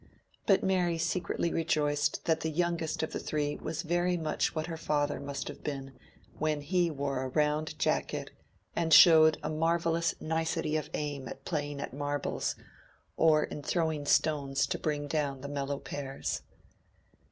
But Mary secretly rejoiced that the youngest of the three was very much what her father must have been when he wore a round jacket, and showed a marvellous nicety of aim in playing at marbles, or in throwing stones to bring down the mellow pears.